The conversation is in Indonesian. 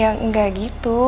ya nggak gitu